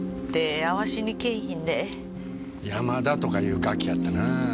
山田とかいうガキやったな。